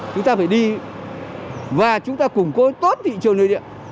chúng ta phải đi và chúng ta củng cố tốt thị trường nội địa